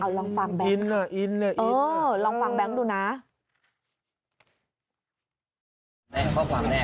เอาลองฟังแบงก์ค่ะเออลองฟังแบงก์ดูนะอืมอืมอืม